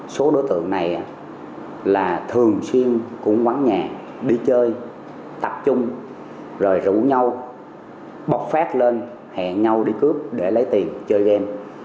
số đối tượng này là thường xuyên cũng vắng nhà đi chơi tập trung rồi rủ nhau bọc phát lên hẹn nhau đi cướp để lấy tiền chơi game